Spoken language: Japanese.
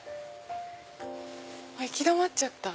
行き止まっちゃった。